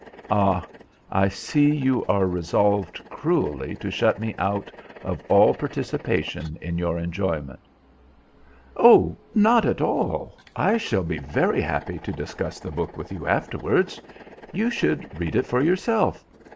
"Ah, I see you are resolved cruelly to shut me out of all participation in your enjoyment." "Oh, not at all. I shall be very happy to discuss the book with you afterwards. You should read it for yourself.